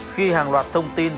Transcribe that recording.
khi hàng loạt thông tin